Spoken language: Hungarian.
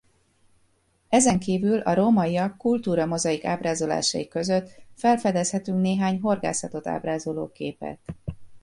Ezen kívül a rómaiak kultúra mozaik ábrázolásai között felfedezhetünk néhány horgászatot ábrázoló képet.